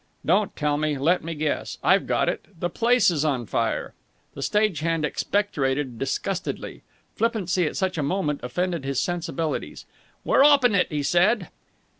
"Don't tell me. Let me guess. I've got it! The place is on fire!" The stage hand expectorated disgustedly. Flippancy at such a moment offended his sensibilities. "We're 'opping it," he said.